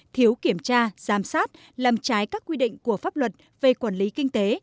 thiếu kiểm tra giám sát làm trái các quy định của pháp luật về quản lý kinh tế